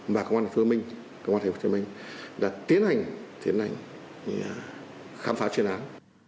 và công an thành phố hồ chí minh công an thành phố hồ chí minh đã tiến hành tiến hành khám phá chuyên án